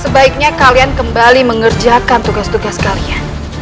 sebaiknya kalian kembali mengerjakan tugas tugas kalian